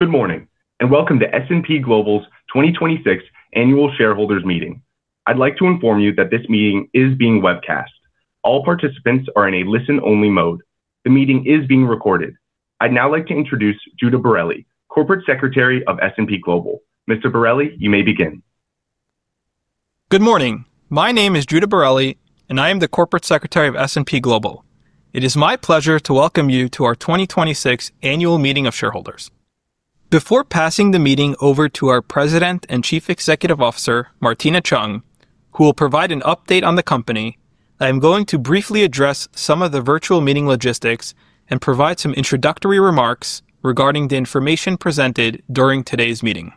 Good morning, welcome to S&P Global's 2026 Annual Shareholders Meeting. I'd like to inform you that this meeting is being webcast. All participants are in a listen-only mode. The meeting is being recorded. I'd now like to introduce Judah Bareli, Corporate Secretary of S&P Global. Mr. Bareli, you may begin. Good morning. My name is Judah Bareli, and I am the Corporate Secretary of S&P Global. It is my pleasure to welcome you to our 2026 Annual Meeting of Shareholders. Before passing the meeting over to our President and Chief Executive Officer, Martina Cheung, who will provide an update on the company, I am going to briefly address some of the virtual meeting logistics and provide some introductory remarks regarding the information presented during today's meeting.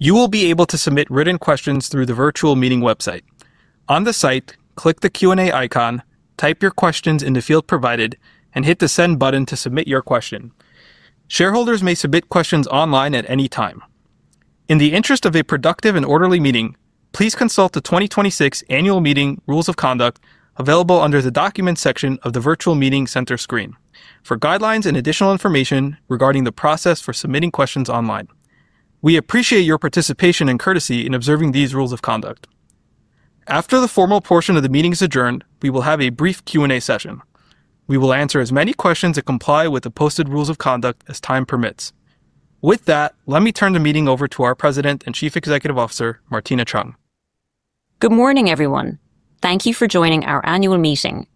You will be able to submit written questions through the virtual meeting website. On the site, click the Q&A icon, type your questions in the field provided, and hit the send button to submit your question. Shareholders may submit questions online at any time. In the interest of a productive and orderly meeting, please consult the 2026 Annual Meeting Rules of Conduct, available under the Documents section of the virtual meeting center screen. For guidelines and additional information regarding the process for submitting questions online. We appreciate your participation and courtesy in observing these rules of conduct. After the formal portion of the meeting is adjourned, we will have a brief Q&A session. We will answer as many questions that comply with the posted rules of conduct as time permits. With that, let me turn the meeting over to our President and Chief Executive Officer, Martina Cheung. Good morning, everyone. Thank you for joining our annual meeting.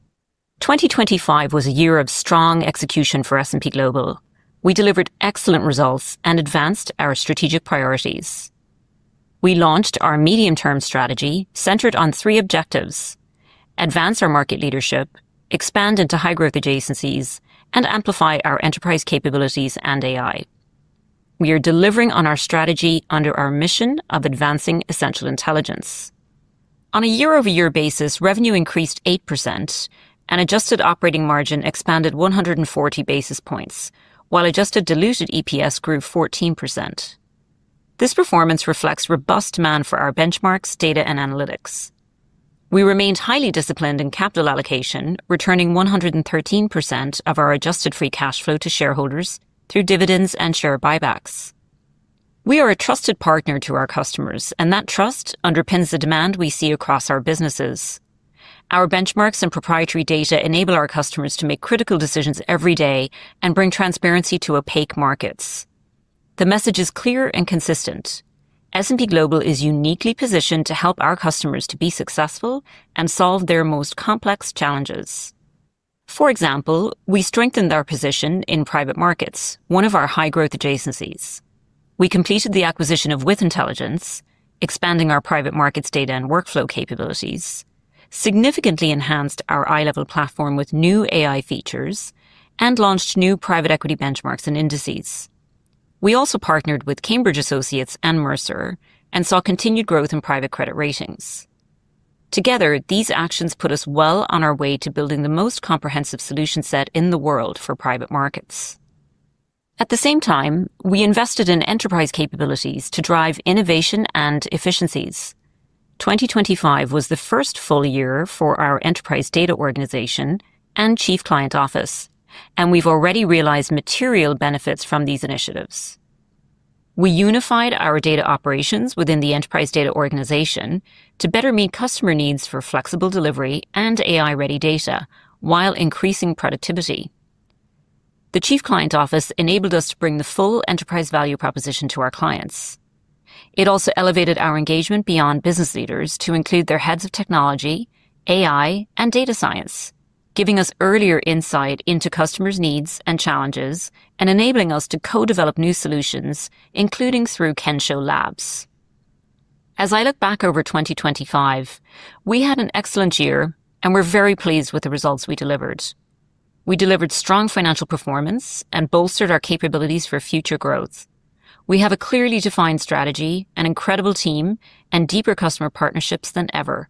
2025 was a year of strong execution for S&P Global. We delivered excellent results and advanced our strategic priorities. We launched our medium-term strategy centered on three objectives: advance our market leadership, expand into high-growth adjacencies, and amplify our enterprise capabilities and AI. We are delivering on our strategy under our mission of advancing essential intelligence. On a year-over-year basis, revenue increased 8%, and adjusted operating margin expanded 140 basis points, while adjusted diluted EPS grew 14%. This performance reflects robust demand for our benchmarks, data, and analytics. We remained highly disciplined in capital allocation, returning 113% of our adjusted free cash flow to shareholders through dividends and share buybacks. We are a trusted partner to our customers, and that trust underpins the demand we see across our businesses. Our benchmarks and proprietary data enable our customers to make critical decisions every day and bring transparency to opaque markets. The message is clear and consistent: S&P Global is uniquely positioned to help our customers to be successful and solve their most complex challenges. For example, we strengthened our position in private markets, one of our high-growth adjacencies. We completed the acquisition of With Intelligence, expanding our private markets data and workflow capabilities, significantly enhanced our iLEVEL platform with new AI features, and launched new private equity benchmarks and indices. We also partnered with Cambridge Associates and Mercer and saw continued growth in private credit ratings. Together, these actions put us well on our way to building the most comprehensive solution set in the world for private markets. At the same time, we invested in enterprise capabilities to drive innovation and efficiencies. 2025 was the first full year for our Enterprise Data Organization and Chief Client Office, and we've already realized material benefits from these initiatives. We unified our data operations within the Enterprise Data Organization to better meet customer needs for flexible delivery and AI-ready data while increasing productivity. The Chief Client Office enabled us to bring the full enterprise value proposition to our clients. It also elevated our engagement beyond business leaders to include their heads of technology, AI, and data science, giving us earlier insight into customers' needs and challenges and enabling us to co-develop new solutions, including through Kensho Labs. As I look back over 2025, we had an excellent year, and we're very pleased with the results we delivered. We delivered strong financial performance and bolstered our capabilities for future growth. We have a clearly defined strategy, an incredible team, and deeper customer partnerships than ever,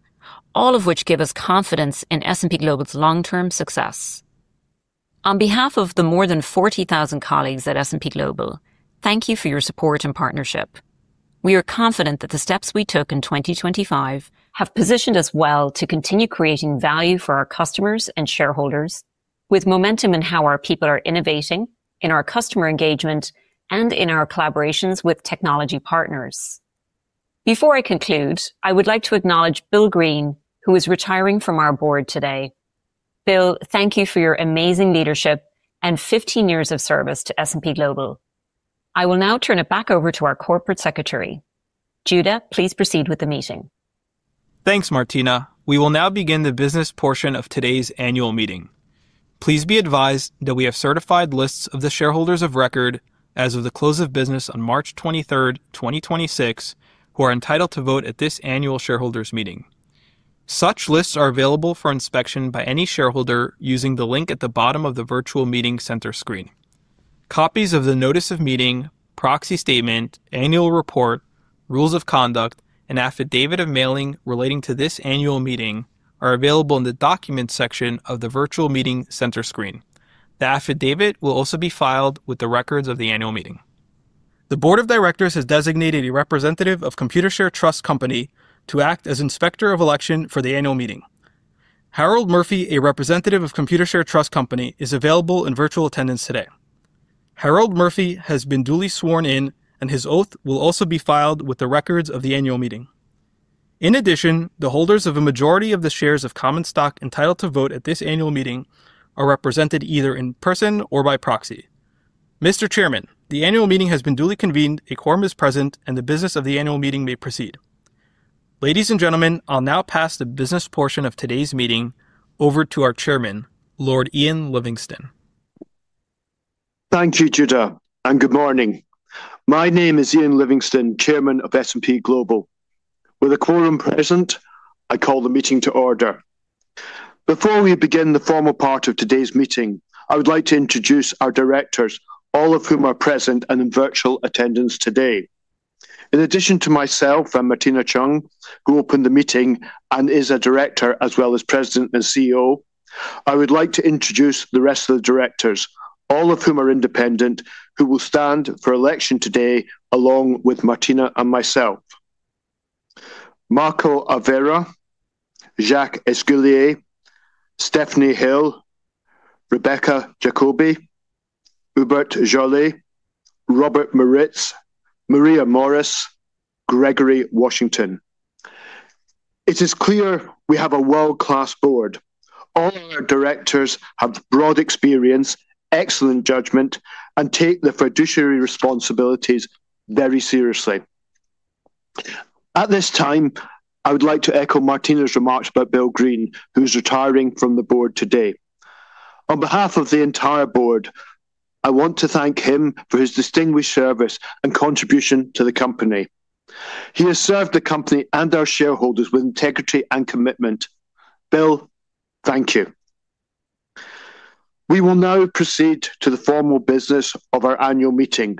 all of which give us confidence in S&P Global's long-term success. On behalf of the more than 40,000 colleagues at S&P Global, thank you for your support and partnership. We are confident that the steps we took in 2025 have positioned us well to continue creating value for our customers and shareholders with momentum in how our people are innovating, in our customer engagement, and in our collaborations with technology partners. Before I conclude, I would like to acknowledge Bill Green, who is retiring from our board today. Bill, thank you for your amazing leadership and 15 years of service to S&P Global. I will now turn it back over to our corporate secretary. Judah, please proceed with the meeting. Thanks, Martina. We will now begin the business portion of today's annual meeting. Please be advised that we have certified lists of the shareholders of record as of the close of business on March 23rd, 2026, who are entitled to vote at this annual shareholders meeting. Such lists are available for inspection by any shareholder using the link at the bottom of the virtual meeting center screen. Copies of the notice of meeting, proxy statement, annual report, rules of conduct, and affidavit of mailing relating to this annual meeting are available in the Documents section of the virtual meeting center screen. The affidavit will also be filed with the records of the annual meeting. The board of directors has designated a representative of Computershare Trust Company to act as Inspector of Election for the annual meeting. Harold Murphy, a representative of Computershare Trust Company, is available in virtual attendance today. Harold Murphy has been duly sworn in, and his oath will also be filed with the records of the annual meeting. The holders of a majority of the shares of common stock entitled to vote at this annual meeting are represented either in person or by proxy. Mr. Chairman, the annual meeting has been duly convened, a quorum is present, and the business of the annual meeting may proceed. Ladies and gentlemen, I'll now pass the business portion of today's meeting over to our Chairman, Lord Ian Livingston. Thank you, Judah. Good morning. My name is Ian Livingston, Chairman of S&P Global. With a quorum present, I call the meeting to order. Before we begin the formal part of today's meeting, I would like to introduce our Directors, all of whom are present and in virtual attendance today. In addition to myself and Martina Cheung, who opened the meeting and is a Director as well as President and CEO, I would like to introduce the rest of the Directors, all of whom are independent, who will stand for election today along with Martina and myself. Marco Alverà, Jacques Esculier, Stephanie Hill, Rebecca Jacoby, Hubert Joly, Robert Moritz, Maria Morris, Gregory Washington. It is clear we have a world-class board. All our Directors have broad experience, excellent judgment, and take their fiduciary responsibilities very seriously. At this time, I would like to echo Martina's remarks about Bill Green, who's retiring from the board today. On behalf of the entire board, I want to thank him for his distinguished service and contribution to the company. He has served the company and our shareholders with integrity and commitment. Bill, thank you. We will now proceed to the formal business of our annual meeting,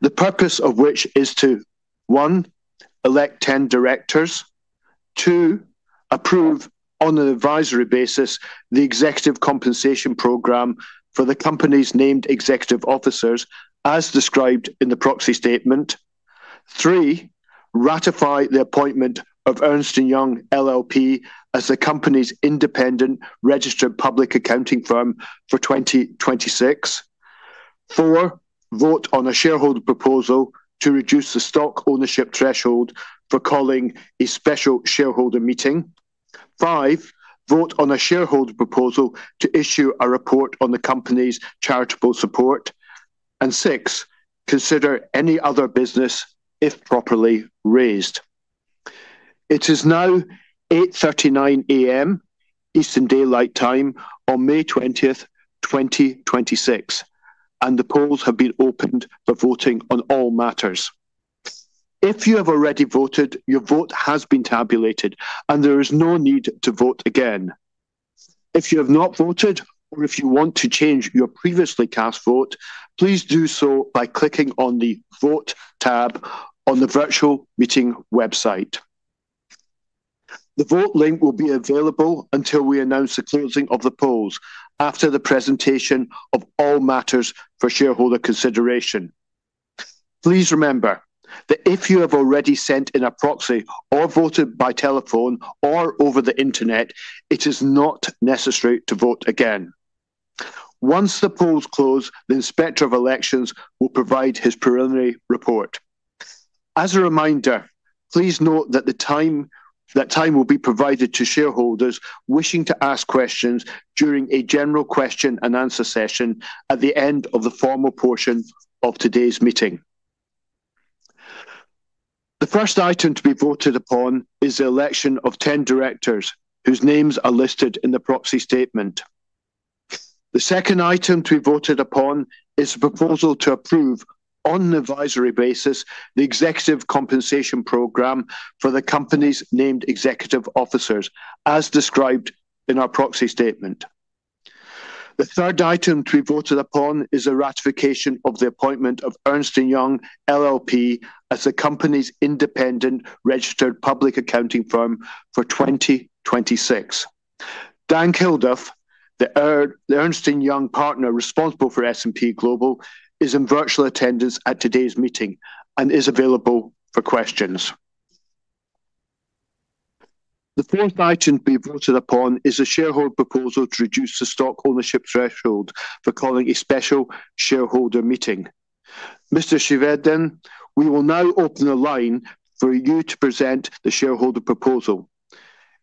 the purpose of which is to, one, elect 10 directors. Two, approve, on an advisory basis, the executive compensation program for the company's named executive officers as described in the proxy statement. Three, ratify the appointment of Ernst & Young LLP as the company's independent registered public accounting firm for 2026. Four, vote on a shareholder proposal to reduce the stock ownership threshold for calling a special shareholder meeting. Five, vote on a shareholder proposal to issue a report on the company's charitable support. Six, consider any other business if properly raised. It is now 8:39 A.M. Eastern Daylight Time on 20th May 2026, and the polls have been opened for voting on all matters. If you have already voted, your vote has been tabulated, and there is no need to vote again. If you have not voted or if you want to change your previously cast vote, please do so by clicking on the Vote tab on the virtual meeting website. The vote link will be available until we announce the closing of the polls after the presentation of all matters for shareholder consideration. Please remember that if you have already sent in a proxy or voted by telephone or over the internet, it is not necessary to vote again. Once the polls close, the Inspector of Elections will provide his preliminary report. As a reminder, please note that time will be provided to shareholders wishing to ask questions during a general question-and-answer session at the end of the formal portion of today's meeting. The first item to be voted upon is the election of 10 directors, whose names are listed in the proxy statement. The second item to be voted upon is a proposal to approve, on an advisory basis, the executive compensation program for the company's named executive officers, as described in our proxy statement. The third item to be voted upon is a ratification of the appointment of Ernst & Young LLP as the company's independent registered public accounting firm for 2026. Dan Kilduff, the Ernst & Young partner responsible for S&P Global, is in virtual attendance at today's meeting and is available for questions. The fourth item to be voted upon is a shareholder proposal to reduce the stock ownership threshold for calling a special shareholder meeting. Mr. Chevedden, we will now open the line for you to present the shareholder proposal.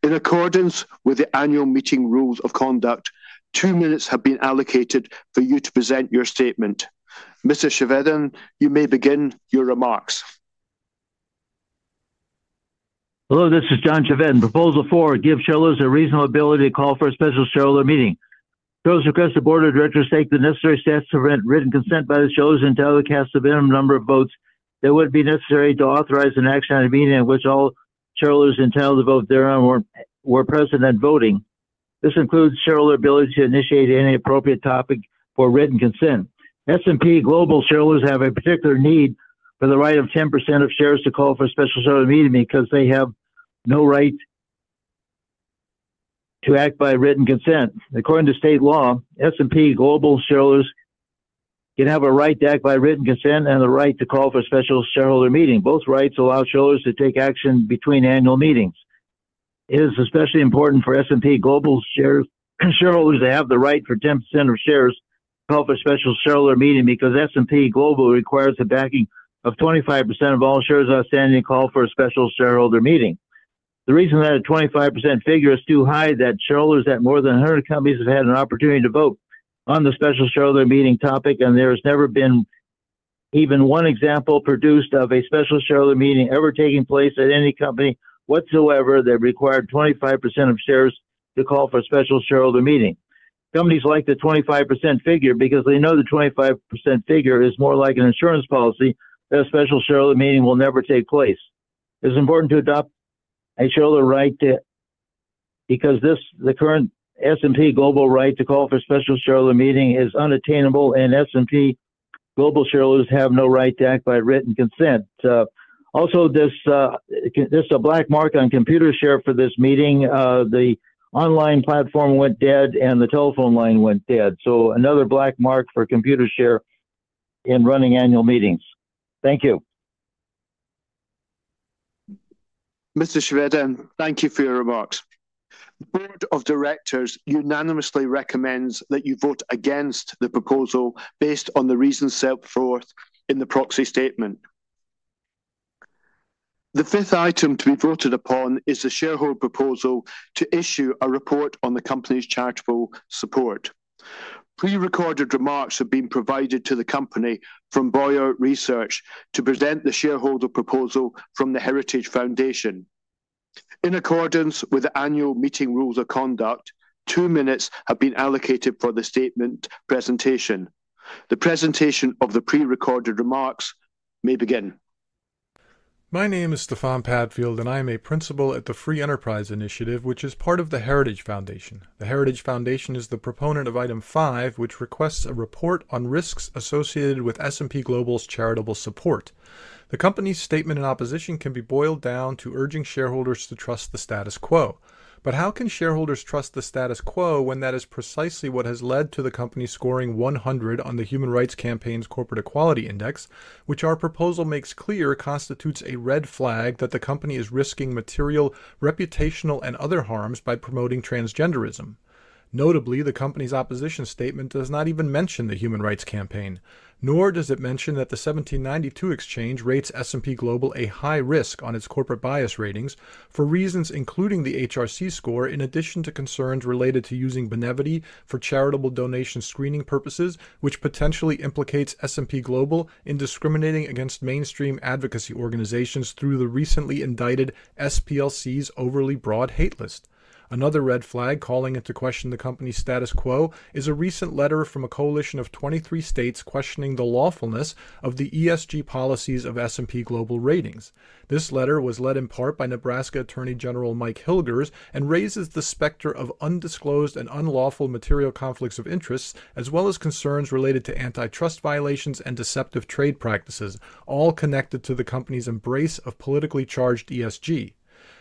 In accordance with the annual meeting rules of conduct, two minutes have been allocated for you to present your statement. Mr. Chevedden, you may begin your remarks. Hello, this is John Chevedden. Proposal four, give shareholders a reasonable ability to call for a special shareholder meeting. Shareholders request the board of directors take the necessary steps to prevent written consent by the shareholders entitled to cast the minimum number of votes that would be necessary to authorize an action or meeting in which all shareholders entitled to vote thereon were present at voting. This includes shareholder ability to initiate any appropriate topic for written consent. S&P Global shareholders have a particular need for the right of 10% of shares to call for a special shareholder meeting because they have no right to act by written consent. According to state law, S&P Global shareholders have a right to act by written consent and the right to call for special shareholder meeting. Both rights allow shareholders to take action between annual meetings. It is especially important for S&P Global shareholders to have the right for 10% of shares to call for a special shareholder meeting because S&P Global requires the backing of 25% of all shares outstanding call for a special shareholder meeting. The reason that a 25% figure is too high that shareholders at more than 100 companies have had an opportunity to vote on the special shareholder meeting topic, and there has never been even one example produced of a special shareholder meeting ever taking place at any company whatsoever that required 25% of shares to call for a special shareholder meeting. Companies like the 25% figure because they know the 25% figure is more like an insurance policy that a special shareholder meeting will never take place. It's important to adopt a shareholder right to Because the current S&P Global right to call for a special shareholder meeting is unattainable, and S&P Global shareholders have no right to act by written consent. This is a black mark on Computershare for this meeting. The online platform went dead, and the telephone line went dead. Another black mark for Computershare in running annual meetings. Thank you. Mr. Chevedden, thank you for your remarks. The board of directors unanimously recommends that you vote against the proposal based on the reasons set forth in the proxy statement. The fifth item to be voted upon is the shareholder proposal to issue a report on the company's charitable support. Pre-recorded remarks have been provided to the company from Bowyer Research to present the shareholder proposal from The Heritage Foundation. In accordance with the annual meeting rules of conduct, two minutes have been allocated for the statement presentation. The presentation of the pre-recorded remarks may begin. My name is Stefan Padfield, and I am a principal at the Free Enterprise Initiative, which is part of The Heritage Foundation. The Heritage Foundation is the proponent of item 5, which requests a report on risks associated with S&P Global's charitable support. The company's statement and opposition can be boiled down to urging shareholders to trust the status quo. How can shareholders trust the status quo when that is precisely what has led to the company scoring 100 on the Human Rights Campaign's Corporate Equality Index, which our proposal makes clear constitutes a red flag that the company is risking material, reputational, and other harms by promoting transgenderism. Notably, the company's opposition statement does not even mention the Human Rights Campaign, nor does it mention that the 1792 Exchange rates S&P Global a high risk on its Corporate Bias Ratings for reasons including the HRC score, in addition to concerns related to using Benevity for charitable donation screening purposes, which potentially implicates S&P Global in discriminating against mainstream advocacy organizations through the recently indicted SPLC's overly broad hate list. Another red flag calling into question the company's status quo is a recent letter from a coalition of 23 states questioning the lawfulness of the ESG policies of S&P Global Ratings. This letter was led in part by Nebraska Attorney General Mike Hilgers and raises the specter of undisclosed and unlawful material conflicts of interests, as well as concerns related to antitrust violations and deceptive trade practices, all connected to the company's embrace of politically charged ESG.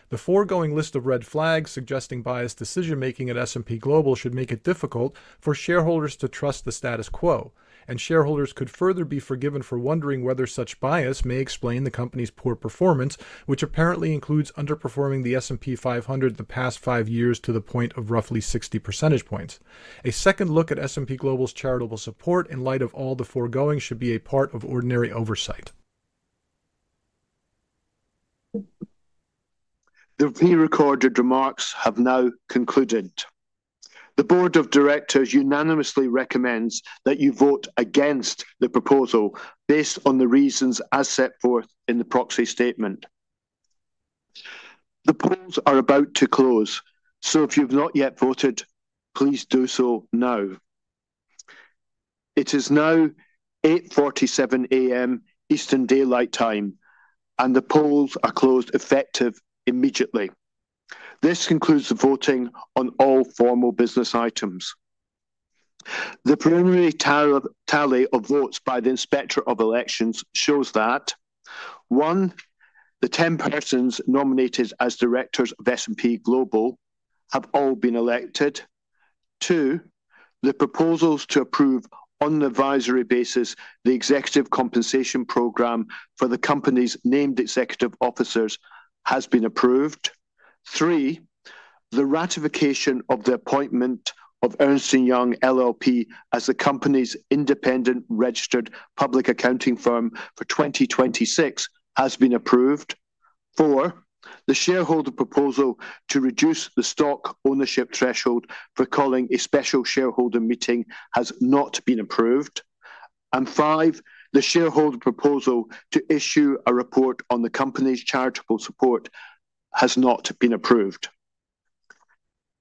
The foregoing list of red flags suggesting biased decision-making at S&P Global should make it difficult for shareholders to trust the status quo, and shareholders could further be forgiven for wondering whether such bias may explain the company's poor performance, which apparently includes underperforming the S&P 500 the past five years to the point of roughly 60 percentage points. A second look at S&P Global's charitable support in light of all the foregoing should be a part of ordinary oversight. The pre-recorded remarks have now concluded. The board of directors unanimously recommends that you vote against the proposal based on the reasons as set forth in the proxy statement. The polls are about to close, so if you've not yet voted, please do so now. It is now 8:47 A.M. Eastern Daylight Time, and the polls are closed effective immediately. This concludes the voting on all formal business items. The preliminary tally of votes by the Inspector of Elections shows that, One. The 10 persons nominated as directors of S&P Global have all been elected. Two. The proposals to approve on the advisory basis the executive compensation program for the company's named executive officers has been approved. Three. The ratification of the appointment of Ernst & Young LLP as the company's independent registered public accounting firm for 2026 has been approved. Four, the shareholder proposal to reduce the stock ownership threshold for calling a special shareholder meeting has not been approved. Five, the shareholder proposal to issue a report on the company's charitable support has not been approved.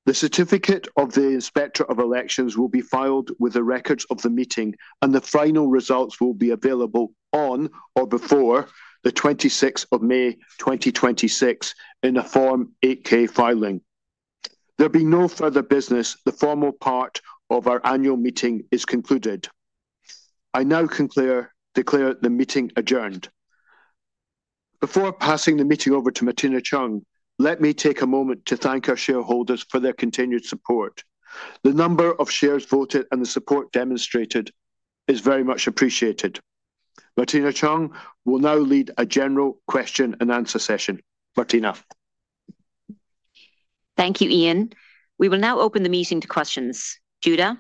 The certificate of the Inspector of Elections will be filed with the records of the meeting, and the final results will be available on or before the 26th of May 2026 in a Form 8-K filing. There being no further business, the formal part of our annual meeting is concluded. I now declare the meeting adjourned. Before passing the meeting over to Martina Cheung, let me take a moment to thank our shareholders for their continued support. The number of shares voted and the support demonstrated is very much appreciated. Martina Cheung will now lead a general question-and-answer session. Martina. Thank you, Ian. We will now open the meeting to questions. Judah.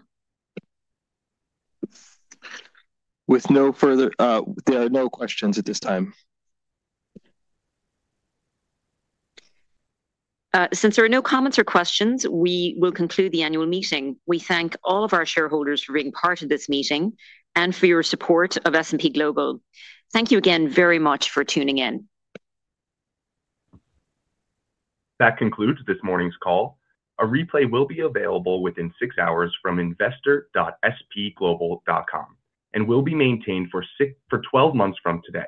There are no questions at this time. Since there are no comments or questions, we will conclude the annual meeting. We thank all of our shareholders for being part of this meeting and for your support of S&P Global. Thank you again very much for tuning in. That concludes this morning's call. A replay will be available within six hours from investor.spglobal.com and will be maintained for 12 months from today.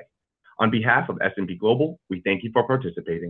On behalf of S&P Global, we thank you for participating.